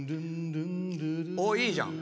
おおいいじゃん。